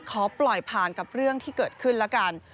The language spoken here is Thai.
ขอปล่อยผ่านกับเรื่องที่เกิดขึ้นแล้วกัน